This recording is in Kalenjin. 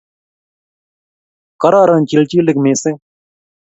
kororon chilchilik mising